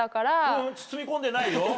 ううん包み込んでないよ。